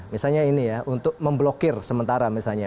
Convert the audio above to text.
misalnya ini ya untuk memblokir sementara misalnya